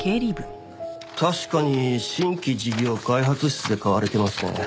確かに新規事業開発室で買われてますね。